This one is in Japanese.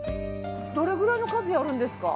どれぐらいの数やるんですか？